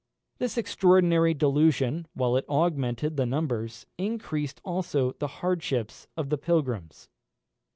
This extraordinary delusion, while it augmented the numbers, increased also the hardships of the pilgrims.